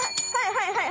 はいはい！